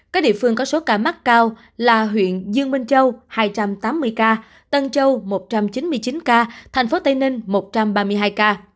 các địa phương có số ca mắc cao là huyện dương minh châu hai trăm tám mươi ca tân châu một trăm chín mươi chín ca thành phố tây ninh một trăm ba mươi hai ca